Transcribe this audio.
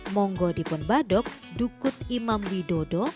monggo dipon badok dukut imam widodo